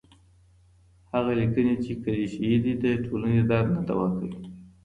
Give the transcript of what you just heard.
هغه ليکنې چي کليشه يي دي، د ټولني درد نه دوا کوي.